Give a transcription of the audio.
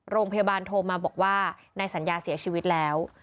โรงพยาบาลโทรมาบอกว่านายสัญญาเสียชีวิตแล้ว